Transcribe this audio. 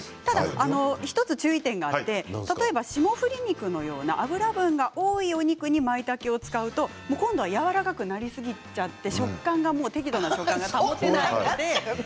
ただあの一つ注意点があって例えば霜降り肉のような脂分が多いお肉にまいたけを使うと今度はやわらかくなりすぎちゃって適度な食感が保てなくなって。